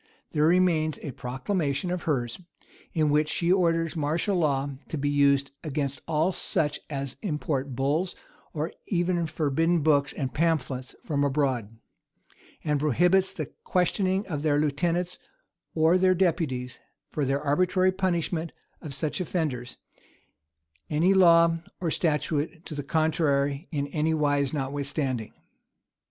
There remains a proclamation of hers, in which she orders martial law to be used against all such as import bulls, or even forbidden books and pamphlets from abroad;[] and prohibits the questioning of the lieutenants or their deputies for their arbitrary punishment of such offenders, "any law or statute to the contrary in anywise notwithstanding."